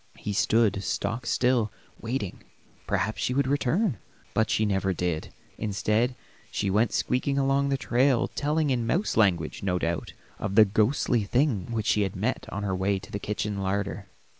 He stood stock still waiting; perhaps she would return; but she never did. Instead, she went squeaking along the trail telling, in mouse language, no doubt, of the ghostly thing which she had met on her way to the kitchen larder.